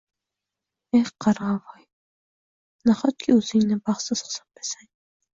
– Eh, Qarg‘avoy! Nahotki, o‘zingni baxtsiz hisoblasang